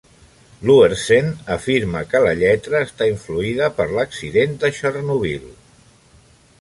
Luerssen afirma que la lletra està influïda per l'accident de Chernobyl.